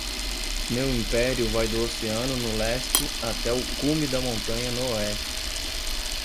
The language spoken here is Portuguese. Meu império vai do oceano no leste até o cume da montanha no oeste.